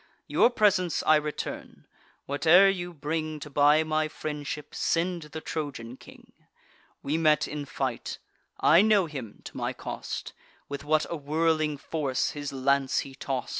Your presents I return: whate'er you bring To buy my friendship, send the Trojan king. We met in fight; I know him, to my cost: With what a whirling force his lance he toss'd!